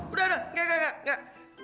udah udah nggak nggak nggak